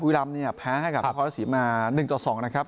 บุยรำเนี่ยแพ้ให้กับนักคอร์เตะสีมา๑๒นะครับ